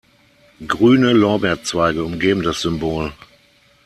Grüne Lorbeerzweige umgeben das Symbol.